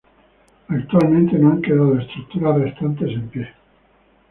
Actualmente, no han quedado estructuras restantes en pie.